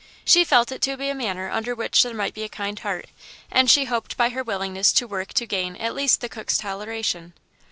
She felt it to be a manner under which there might be a kind heart, and she hoped by her willingness to work to gain at least the cook's toleration.